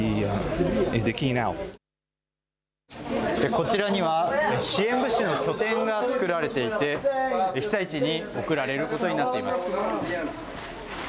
こちらには支援物資の拠点が作られていて被災地に送られることになっています。